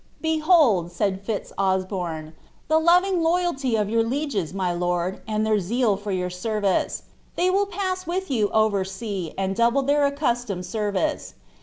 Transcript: ^ Behold," said Fitz Osbom, ^ the loving loyalty of your lieges, my lord, and their zeal for your senice. They will pass with you over sea, and double their accustomed senriee.